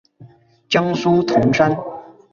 江苏铜山。